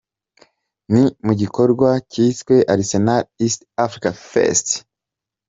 Ni mu gikorwa cyiswe Arsenal East Africa Fest.